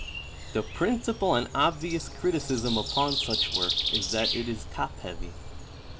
The principal and obvious criticism uj)on such work is that it is top heavy.